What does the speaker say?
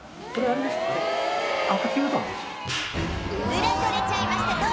『ウラ撮れちゃいました』